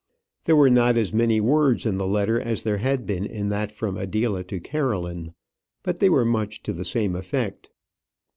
There were not as many words in the letter as there had been in that from Adela to Caroline; but they were much to the same effect.